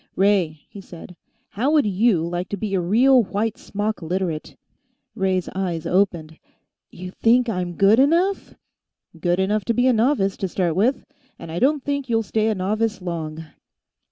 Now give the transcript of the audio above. "Ray," he said, "how would you like to be a real white smock Literate?" Ray's eyes opened. "You think I'm good enough?" "Good enough to be a novice, to start with. And I don't think you'll stay a novice long."